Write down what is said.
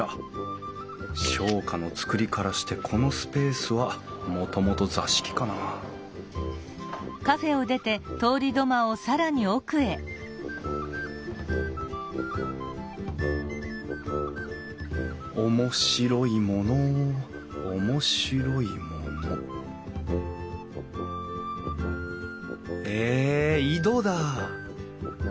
商家の造りからしてこのスペースはもともと座敷かな面白いもの面白いものえっ井戸だ！